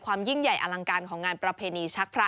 ยิ่งใหญ่อลังการของงานประเพณีชักพระ